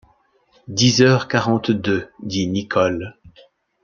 Dix heures quarante deux ! dit Nicholl.